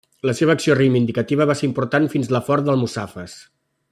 La seva acció reivindicativa va ser important dins la Ford d'Almussafes.